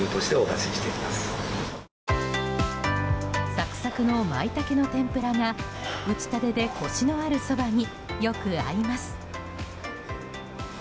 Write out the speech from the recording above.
サクサクのマイタケの天ぷらが打ちたてでコシのあるそばによく合います。